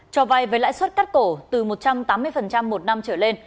cho vay với lãi suất cắt cổ từ một trăm tám mươi một năm trở lên